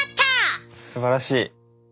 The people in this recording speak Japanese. すばらしい。